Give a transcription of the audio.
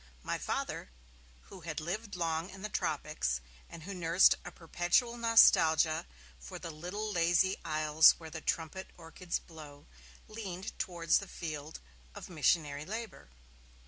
My Father, who had lived long in the Tropics, and who nursed a perpetual nostalgia for 'the little lazy isles where the trumpet orchids blow', leaned towards the field of missionary labour.